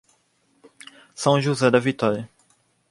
São José da Vitória